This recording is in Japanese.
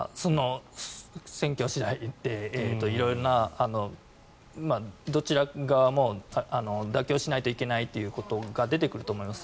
戦況次第で色々などちら側も妥協しないといけないということが出てくると思います。